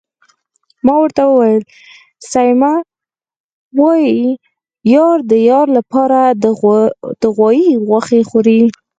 ما ورته وویل: سیمه، وايي یار د یار لپاره د غوايي غوښې خوري.